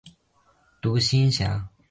独行侠。